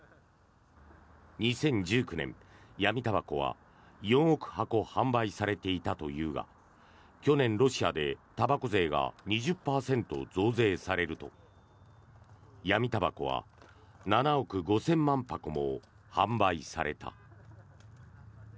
２０１９年、闇たばこは４億箱販売されていたというが去年、ロシアでたばこ税が２０％増税されると闇たばこは７億５０００万箱も販売された。